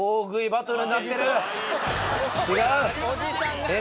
違う！